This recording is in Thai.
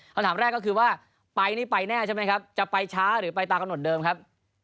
คำถามแรกก็คือว่าไปนี่ไปแน่ใช่ไหมครับจะไปช้าหรือไปตามกำหนดเดิมครับ